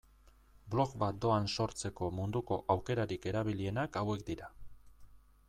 Blog bat doan sortzeko munduko aukerarik erabilienak hauek dira.